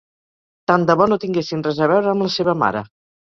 Tant de bo no tinguessin res a veure amb la seva mare.